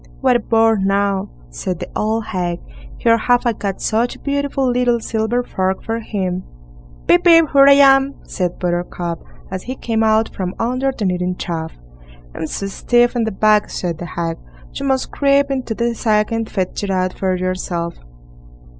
"What a bore now", said the old hag; "here have I got such a beautiful little silver fork for him." "Pip, pip! here I am", said Buttercup, as he came out from under the kneading trough. "I'm so stiff in the back", said the hag, "you must creep into the sack and fetch it out for yourself."